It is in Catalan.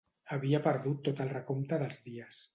Havia perdut tot el recompte dels dies.